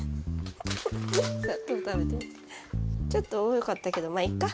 ちょっと多かったけどまいっか。